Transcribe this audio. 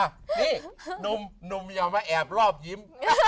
นี่หนุ่มอย่ามาแอบรอบยิ้ม